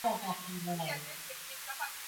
Homa ya mapafu husababishwa na kuchanganya wanyama